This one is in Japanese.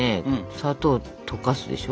砂糖を溶かすでしょ。